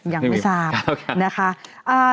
ยังไม่ทราบนะคะ